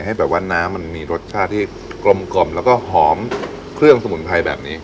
ให้แบบว่าน้ำมันมีรสชาติที่กลมกล่อมแล้วก็หอมเครื่องสมุนไพรแบบนี้